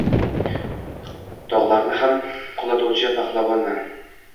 Tog’larni ham qulatuvchi pahlavonmi?